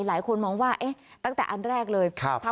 หลายคนมองว่าเอ๊ะตั้งแต่อันแรกเลย